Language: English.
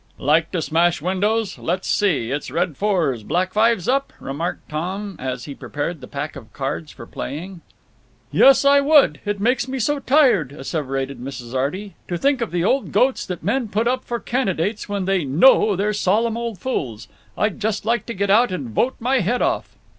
"Like to smash windows? Let's see—it's red fours, black fives up?" remarked Tom, as he prepared the pack of cards for playing. "Yes, I would! It makes me so tired," asseverated Mrs. Arty, "to think of the old goats that men put up for candidates when they know they're solemn old fools! I'd just like to get out and vote my head off."